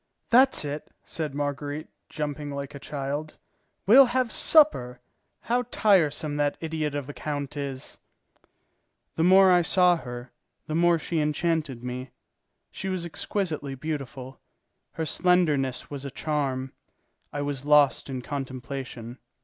"That's it," said Marguerite, jumping like a child, "we'll have supper. How tiresome that idiot of a count is!" The more I saw her, the more she enchanted me. She was exquisitely beautiful. Her slenderness was a charm. I was lost in contemplation.